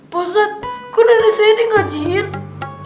bosan kok nenek saya ini gak jahit